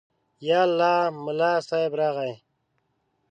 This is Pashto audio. _يالله، ملا صيب راغی.